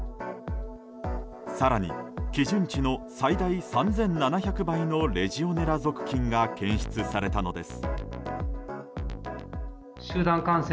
更に、基準値の最大３７００倍のレジオネラ属菌が検出されたのです。